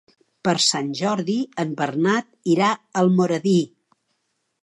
Per Sant Jordi en Bernat irà a Almoradí.